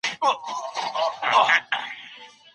ایا د خوست په تڼیو کې د پخوانیو کلاګانو اثار لا هم شته؟